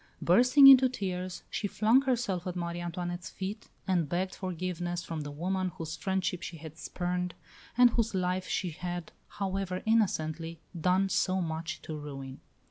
Bursting into tears, she flung herself at Marie Antoinette's feet, and begged forgiveness from the woman whose friendship she had spurned, and whose life she had, however innocently, done so much to ruin.